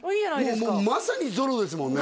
もうまさにゾロですもんね